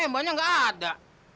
eh mbahnya nggak ada